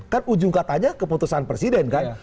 kan ujung katanya keputusan presiden kan